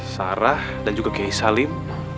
sarah dan juga kiai salim